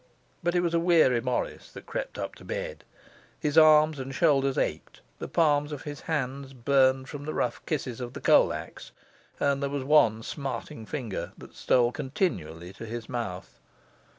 But it was a weary Morris that crept up to bed; his arms and shoulders ached, the palms of his hands burned from the rough kisses of the coal axe, and there was one smarting finger that stole continually to his mouth.